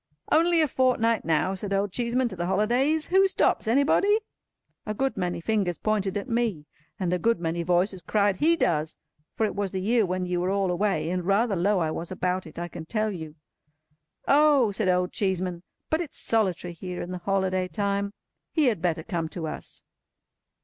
"Only a fortnight now," said Old Cheeseman, "to the holidays. Who stops? Anybody?" A good many fingers pointed at me, and a good many voices cried "He does!" For it was the year when you were all away; and rather low I was about it, I can tell you. "Oh!" said Old Cheeseman. "But it's solitary here in the holiday time. He had better come to us."